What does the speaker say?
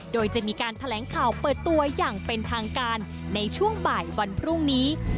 โดยจะมีการแถลงข่าวเปิดตัวอย่างเป็นทางการในช่วงบ่ายวันพรุ่งนี้